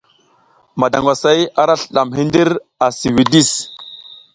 Madangwasay ara slidadm hidir a si widis.